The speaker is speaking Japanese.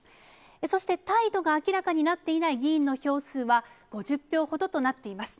そして態度が明らかになっていない議員の票数は、５０票ほどとなっています。